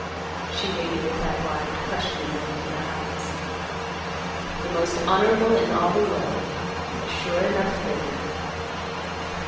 She waited with that wide, questioning look in her eyes. "The most honorable in all the world—a sure enough lady."